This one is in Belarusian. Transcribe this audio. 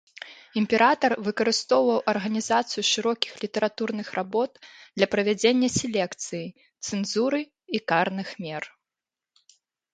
Імператар выкарыстоўваў арганізацыю шырокіх літаратурных работ для правядзення селекцыі, цэнзуры і карных мер.